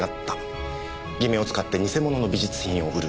偽名を使って偽物の美術品を売る。